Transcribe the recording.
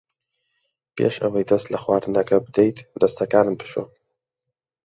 پێش ئەوەی دەست لە خواردنەکە بدەیت دەستەکانت بشۆ.